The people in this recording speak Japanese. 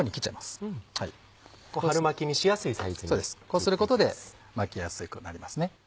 こうすることで巻きやすくなりますね。